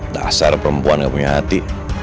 pasar perempuan gak punya hati